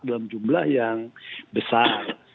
dalam jumlah yang besar